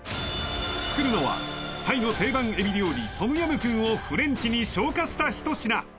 作るのはタイの定番エビ料理トムヤムクンをフレンチに昇華したひと品